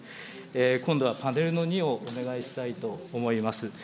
今度はパネルの２をお願いしたいと思います。